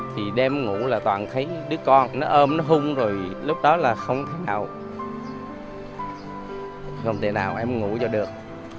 thì đêm ngủ là toàn thấy đứa con nó ôm nó hung rồi lúc đó là không thấy ậu không thể nào em ngủ cho được